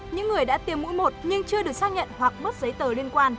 những người đã tiêm mũi một nhưng chưa được xác nhận hoặc mất giấy tờ liên quan